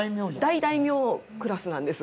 大大名クラスなんです。